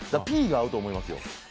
Ｐが合うと思いますよ。